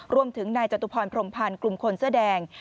รวมถึงนายจตุพรพรมพันธ์กลุ่มคนเสื้อแดง